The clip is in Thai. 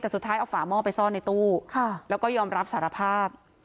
แต่สุดท้ายเอาฝาหม้อไปซ่อนในตู้แล้วก็ยอมรับสารภาพ